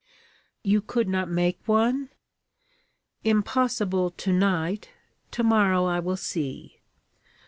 'You could not make one?' 'Impossible, to night. To morrow I will see.'